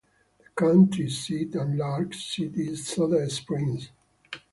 The county seat and largest city is Soda Springs.